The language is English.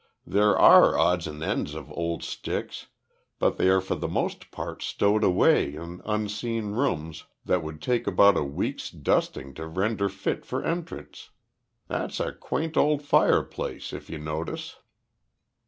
"There are odds and ends of old sticks, but they are for the most part stowed away in unused rooms that would take about a week's dusting to render fit for entrance. That's a quaint old fireplace, if you notice."